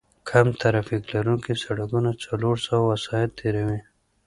کم ترافیک لرونکي سړکونه څلور سوه وسایط تېروي